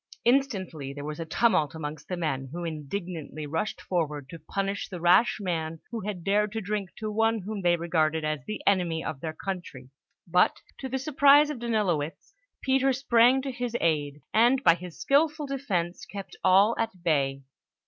Instantly there was a tumult amongst the men, who indignantly rushed forward to punish the rash man who had dared to drink to one whom they regarded as the enemy of their country; but, to the surprise of Danilowitz, Peter sprang to his aid, and by his skillful defence, kept all at bay.